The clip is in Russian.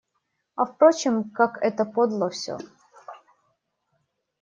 А впрочем, как это подло всё.